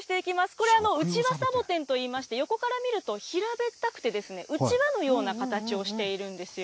これはウチワサボテンといいまして、横から見ると平べったくて、うちわのような形をしているんですよ。